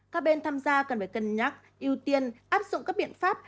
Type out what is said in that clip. các bên tham gia cần phải cân nhắc ưu tiên áp dụng các biện pháp